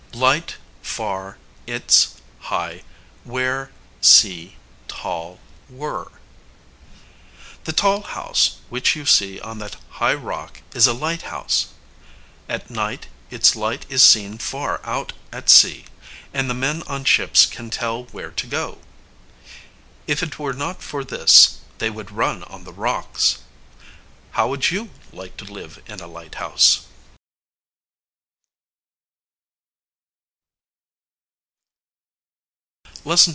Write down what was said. light far its high where sea tall were The tall house which you see on that high rock is a lighthouse. At night its light is seen far out at sea, and the men on ships can tell where to go. If it were not for this, they would run on the rocks. How would you like to live in a lighthouse?